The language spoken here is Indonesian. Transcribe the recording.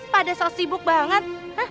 pada so sibuk banget